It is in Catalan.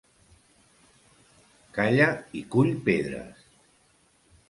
Calla i cull pedres.